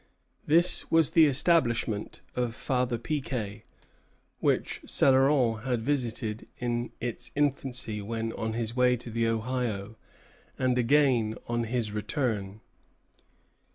This was the establishment of Father Piquet, which Céloron had visited in its infancy when on his way to the Ohio, and again on his return.